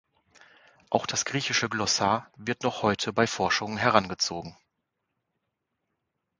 Auch das griechische Glossar wird noch heute bei Forschungen herangezogen.